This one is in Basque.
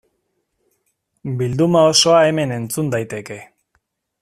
Bilduma osoa hemen entzun daiteke.